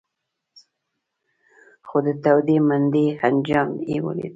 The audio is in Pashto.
خو د تودې منډۍ انجام یې ولید.